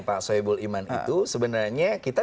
pak soebul iman itu sebenarnya kita